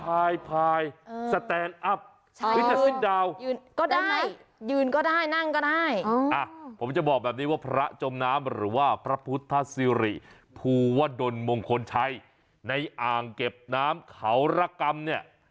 อะผมจะบอกแบบนี้ว่าพระจมน้ำหรือว่าพระพุทธศิริภูวะดลมงคลชัยในอ่างเก็บน้ำขาวรกรรมเนี่ย